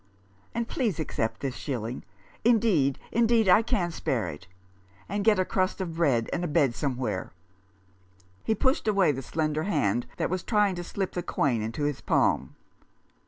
And please accept this shilling — indeed, indeed, I can spare it — and get a crust of bread and a bed somewhere." He pushed away the slender hand that was trying to slip the coin into his palm.